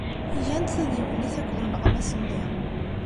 Gant tadiwennit akked uneɣmas-nni.